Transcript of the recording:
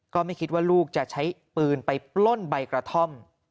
ก็ไม่คิดว่าลูกจะใช้ปืนไปปล้นใบกระท่อม